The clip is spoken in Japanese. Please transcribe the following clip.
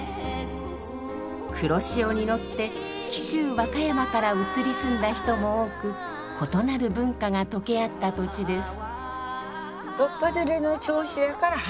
黒潮に乗って紀州・和歌山から移り住んだ人も多く異なる文化が溶け合った土地です。